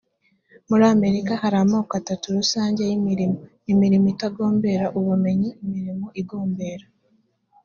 muri amerika hari amoko atatu rusange y imirimo imirimo itagombera ubumenyi imirimo igombera